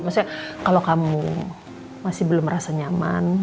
maksudnya kalau kamu masih belum merasa nyaman